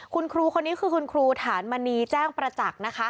คุณครูคนนี้คือคุณครูฐานมณีแจ้งประจักษ์นะคะ